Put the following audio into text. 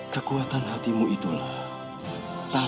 kekuatan hatimu itulah